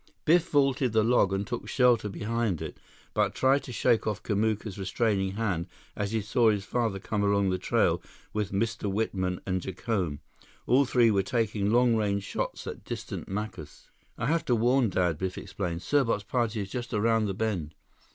Biff vaulted the log and took shelter behind it, but tried to shake off Kamuka's restraining hand as he saw his father come along the trail with Mr. Whitman and Jacome. All three were taking long range shots at distant Macus. "I have to warn Dad," Biff explained. "Serbot's party is just around the bend."